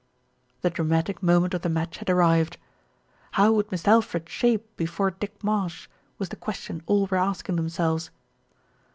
The dramatic moment of the match had arrived. How would Mist' Alfred shape before Dick Marsh? was the question all were asking themselves.